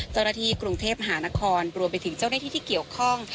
เจ้าหน้าที่กรุงเทพมหานครรวมไปถึงเจ้าหน้าที่ที่เกี่ยวข้อง